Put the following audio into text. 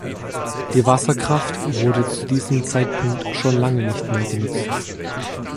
Die Wasserkraft wurde zu diesem Zeitpunkt schon lange nicht mehr genutzt.